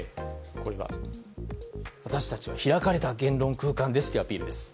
私たちは開かれた言論空間ですというアピールです。